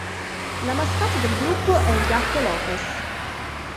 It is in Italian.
La mascotte del gruppo è il gatto Lopez.